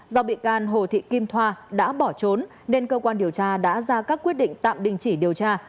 do bị can hồ thị kim thoa đã bỏ trốn nên cơ quan điều tra đã ra các quyết định tạm đình chỉ điều tra